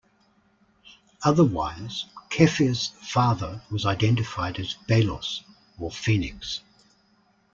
Otherwise, Cepheus' father was identified as Belus or Phoenix.